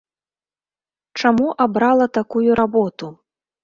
Чаму абрала такую работу?